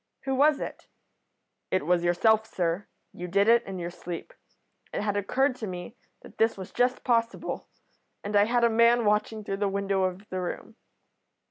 "'Who was it?' "'It was yourself, sir. You did it in your sleep. It had occurred to me that this was just possible, and I had a man watching through the window of the room.'